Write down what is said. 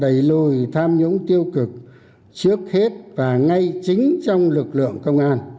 đẩy lùi tham nhũng tiêu cực trước hết và ngay chính trong lực lượng công an